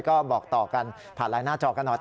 ก็บอกต่อกันผ่านไลน์หน้าจอกันหน่อย